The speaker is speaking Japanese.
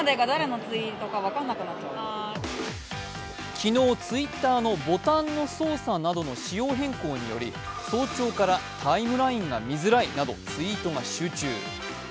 昨日Ｔｗｉｔｔｅｒのボタンの操作などの仕様変更により早朝からタイムラインが見づらいなどツイートが集中。